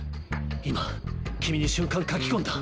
今君に瞬間描き込んだ。